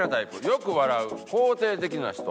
「よく笑う肯定的な人」。